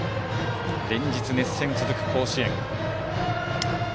連日、熱戦続く甲子園。